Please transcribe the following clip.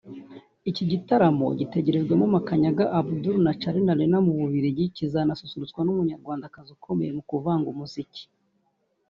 Iki gitaramo gitegerejwemo Makanyaga Abdoul na Charly & Nina mu Bubiligi kizanasusurutswa n’Umunyarwandakazi ukomeye mu kuvanga umuziki